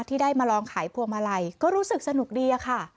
ที่ได้มาลองขายพวงมาลัยก็รู้สึกสนุกดีอะค่ะ